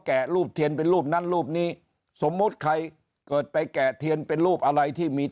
รูปเทียนเป็นรูปนั้นรูปนี้สมมุติใครเกิดไปแกะเทียนเป็นรูปอะไรที่มี